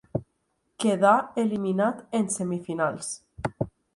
Quedà eliminat en semifinals.